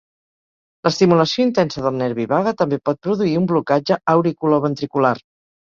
L'estimulació intensa del nervi vague també pot produir un blocatge auriculoventricular.